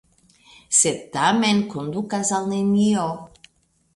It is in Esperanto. Sed tamen kondukas al nenio.